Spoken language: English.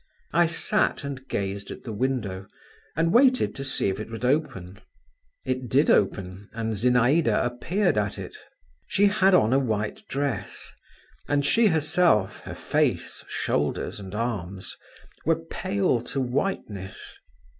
I sat and gazed at the window, and waited to see if it would open; it did open, and Zinaïda appeared at it. She had on a white dress, and she herself, her face, shoulders, and arms, were pale to whiteness.